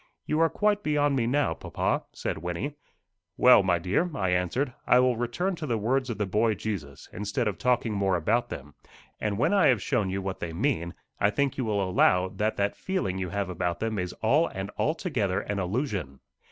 "You are quite beyond me now, papa," said Wynnie. "Well, my dear," I answered, "I will return to the words of the boy Jesus, instead of talking more about them; and when I have shown you what they mean, I think you will allow that that feeling you have about them is all and altogether an illusion."